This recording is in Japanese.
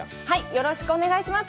よろしくお願いします。